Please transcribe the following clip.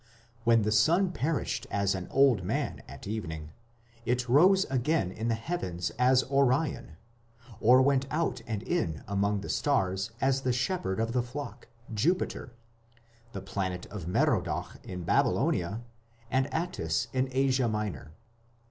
When the sun perished as an old man at evening, it rose in the heavens as Orion, or went out and in among the stars as the shepherd of the flock, Jupiter, the planet of Merodach in Babylonia, and Attis in Asia Minor.